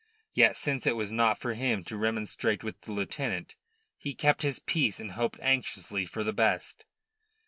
Yet since it was not for him to remonstrate with the lieutenant, he kept his peace and hoped anxiously for the best.